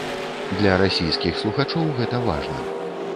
Для расійскіх слухачоў гэта важна.